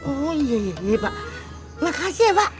oh iya iya pak makasih ya pak